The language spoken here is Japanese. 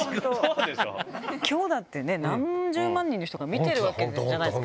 きょうだってね、何十万人の人が見てるわけじゃないですか。